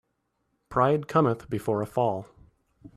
Pride cometh before a fall.